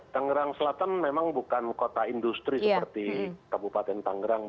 tangerang selatan memang bukan kota industri seperti kabupaten tangerang